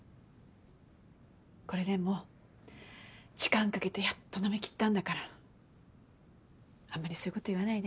これでも時間かけてやっと飲みきったんだからあんまりそういう事言わないで。